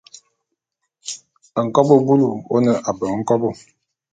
Nkobô bulu ô ne abeng nkobo.